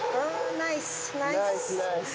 ナイスナイス。